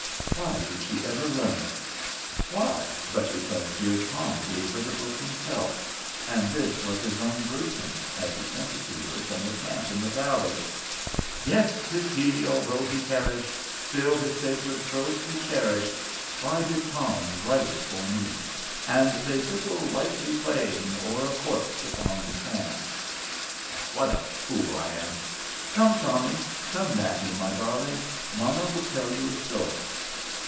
Why did she ever learn it! Why, but because dear Tom gave her the book himself; and this was his own version, as he sent it to her from the camp in the valley, "Yes, 'tis he! although he perished, Still his sacred troth he cherished." "Why did Tom write it for me?" "And they trickle, lightly playing O'er a corpse upon the sand." "What a fool I am! Come, Tommy. Come, Matty, my darling. Mamma will tell you a story.